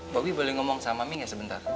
bobby boleh ngomong sama mi gak sebentar